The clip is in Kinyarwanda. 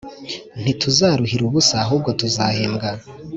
ntituzaruhira ubusa ahubwo tuzahembwa